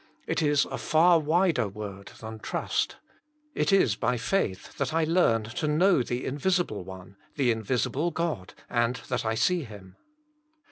It is a far wider word than trust. It is by faith that I learn to know the invisible One, the invisible God, and that I see Him.